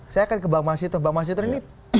saya akan ke mbak mas yudho mbak mas yudho ini